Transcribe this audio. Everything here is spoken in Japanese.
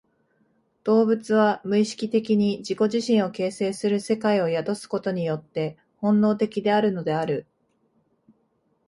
動物は無意識的に自己自身を形成する世界を宿すことによって本能的であるのである。